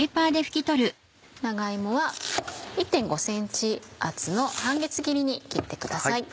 長芋は１．５ｃｍ厚の半月切りに切ってください。